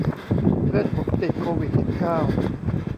เพื่อนผมติดโควิดสิบเก้า